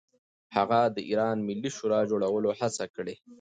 هغه د ایران ملي شورا جوړولو هڅه کړې.